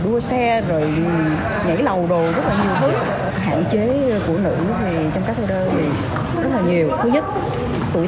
đến hoài rồi